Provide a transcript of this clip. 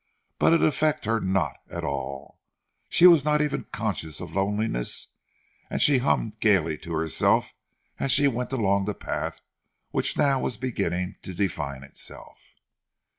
But it affected her not at all, she was not even conscious of loneliness, and she hummed gaily to herself as she went along the path which now was beginning to define itself.